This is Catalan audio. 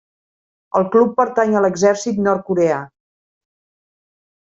El club pertany a l'exèrcit nord-coreà.